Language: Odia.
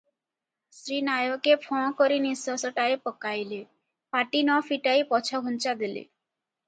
ଶ୍ରୀ ନାୟକେ ଫଁ କରି ନିଶ୍ୱାସଟାଏ ପକାଇଲେ, ପାଟି ନ ଫିଟାଇ ପଛଘୁଞ୍ଚା ଦେଲେ ।